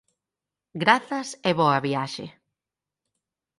Grazas e boa viaxe.